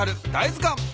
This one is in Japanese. ずかん。